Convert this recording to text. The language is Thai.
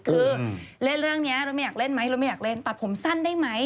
คือเล่นเรื่องนี้เราไม่อยากเล่นไหมเราไม่อยากเล่นตัดผมสั้นได้ไหม